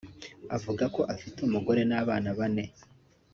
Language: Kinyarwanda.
avuga ko afite umugore n’abana bane